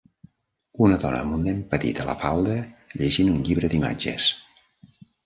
Una dona amb un nen petit a la falda llegint un llibre d'imatges.